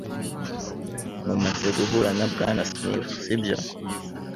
Mumaze guhura na Bwana Smith, sibyo?